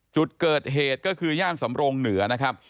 จุดเกิดเหตุก็คือย่านสำรงเหนือนะครับ